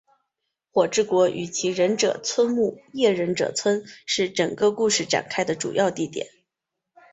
火之国与其忍者村木叶忍者村是整个故事展开的主要地点。